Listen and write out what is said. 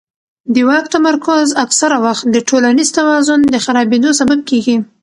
د واک تمرکز اکثره وخت د ټولنیز توازن د خرابېدو سبب کېږي